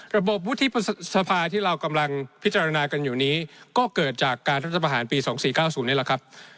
ระบบวุฒิสภาที่เรากำลังพิจารณากันอยู่นี้ก็เกิดจากการรัฐประหารปี๒๔๙๐นี่แหละครับ